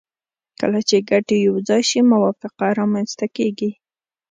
کله چې ګټې یو ځای شي موافقه رامنځته کیږي